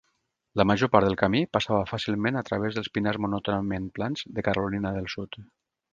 La major part del camí passava fàcilment a través dels pinars monòtonament plans de Carolina del Sud.